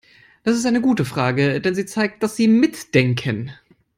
Das ist eine gute Frage, denn sie zeigt, dass Sie mitdenken.